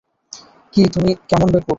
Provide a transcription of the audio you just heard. কি তুমি কেমন বেকুব?